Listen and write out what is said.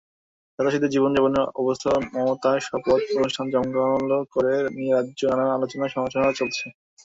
সাদাসিধে জীবনযাপনে অভ্যস্ত মমতার শপথ অনুষ্ঠান জমকালো করা নিয়ে রাজ্যে নানা আলোচনা-সমালোচনাও চলছে।